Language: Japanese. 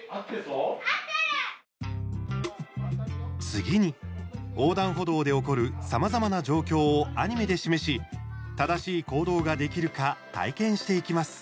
次に、横断歩道で起こるさまざまな状況をアニメで示し正しい行動ができるか体験していきます。